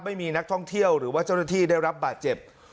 ไม่มีนักท่องเที่ยวหรือว่าเจ้าหน้าที่ได้รับบาดเจ็บ